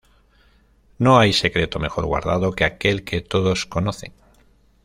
No hay secreto mejor guardado que aquel que todos conocen